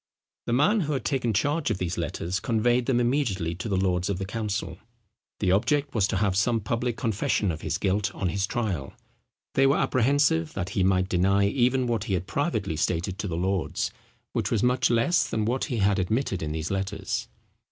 The man who had taken the charge of these letters conveyed them immediately to the lords of the council. The object was to have some public confession of his guilt on his trial. They were apprehensive that he might deny even what he had privately stated to the lords, which was much less than what he had admitted in these letters.